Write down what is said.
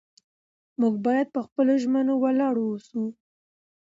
موږ باید په خپلو ژمنو ولاړ واوسو